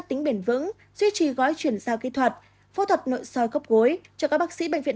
tính bền vững duy trì gói chuyển gia kỹ thuật phô thuật nội soi gốc gối cho các bác sĩ bệnh viện